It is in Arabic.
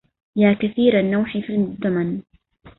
يا كثير النوح في الدمن